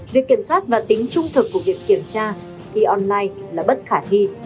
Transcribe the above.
việc kiểm soát và tính trung thực của việc kiểm tra khi online là bất khả thi